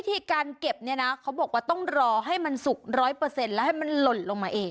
การเก็บเนี่ยนะเขาบอกว่าต้องรอให้มันสุก๑๐๐แล้วให้มันหล่นลงมาเอง